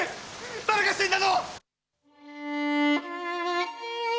誰が死んだの！？